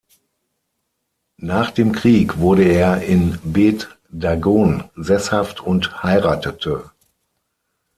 Nach dem Krieg wurde er in Bet Dagon sesshaft und heiratete.